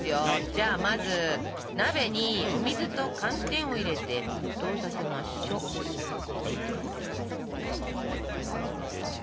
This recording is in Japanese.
じゃあまず鍋にお水と寒天を入れて沸騰させましょ。入れて。